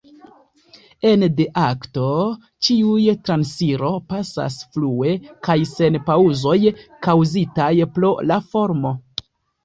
Ene de akto ĉiuj transiro pasas flue kaj sen paŭzoj kaŭzitaj pro la formo.